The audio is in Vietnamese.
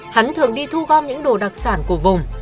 hắn thường đi thu gom những đồ đặc sản của vùng